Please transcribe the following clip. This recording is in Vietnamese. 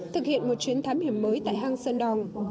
thực hiện một chuyến thám hiểm mới tại hang sơn đòn